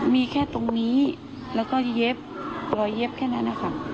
มีแค่ตรงนี้แล้วก็เย็บรอยเย็บแค่นั้นนะคะ